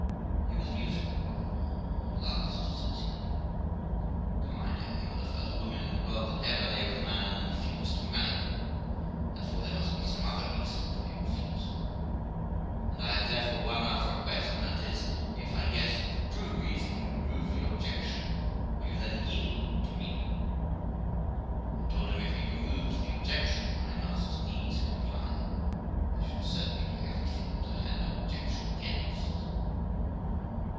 He was mute a good while. At last, says he, 'Come, my dear, you are the first woman in the world that ever lay with a man and then refused to marry him, and therefore there must be some other reason for your refusal; and I have therefore one other request, and that is, if I guess at the true reason, and remove the objection, will you then yield to me?' I told him if he removed the objection I must needs comply, for I should certainly do everything that I had no objection against.